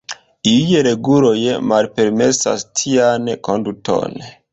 Iuj reguloj malpermesas tian konduton.